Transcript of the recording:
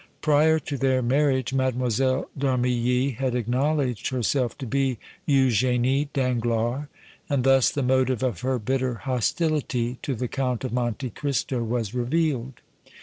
Prior to their marriage Mlle. d' Armilly had acknowledged herself to be Eugénie Danglars, and thus the motive of her bitter hostility to the Count of Monte Cristo was revealed.